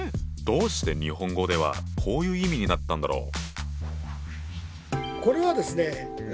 どうして日本語ではこういう意味になったんだろう？